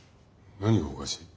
何がおかしい？